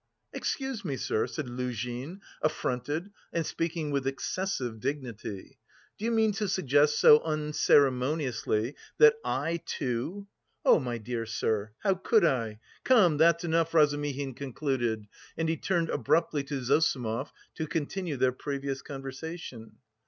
"Excuse me, sir," said Luzhin, affronted, and speaking with excessive dignity. "Do you mean to suggest so unceremoniously that I too..." "Oh, my dear sir... how could I?... Come, that's enough," Razumihin concluded, and he turned abruptly to Zossimov to continue their previous conversation.